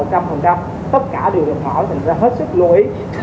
tất cả đều được mở thành ra hết sức lũy